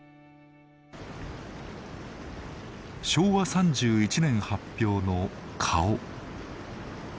昭和３１年発表の「顔」。